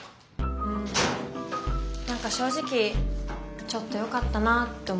うん何か正直ちょっとよかったなって思って。